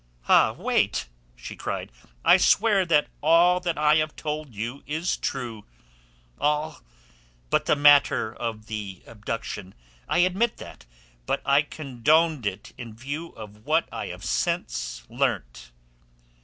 "Ah, wait!" she cried. "I swear that all that I have told you is true—all but the matter of the abduction. I admit that, but I condoned it in view of what I have since learnt."